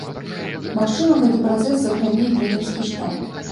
Магчыма, гэты працэс закране і трэнерскі штаб.